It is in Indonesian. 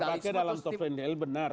kalau dipakai dalam tovenel benar